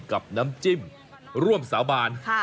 กับน้ำจิ้มร่วมสาบาน